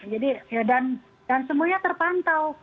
jadi ya dan semuanya terpantau